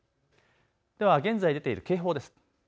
では現在、出ている警報です。